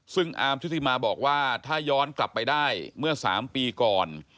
ซึ่งอาร์มชุติมาบอกว่าถ้าย้อนกลับไปได้เมื่อ๓ปีก่อน